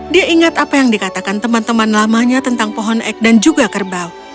dia ingat apa yang dikatakan teman teman lamanya tentang pohon ek dan juga kerbau